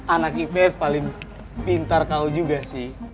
anak ipes paling pintar kau juga sih